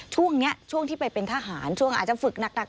ช่วงนี้ช่วงที่ไปเป็นทหารช่วงอาจจะฝึกหนัก